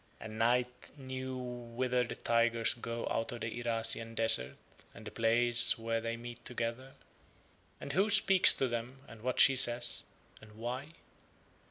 And Night knew whither the tigers go out of the Irasian desert and the place where they meet together, and who speaks to them and what she says and why.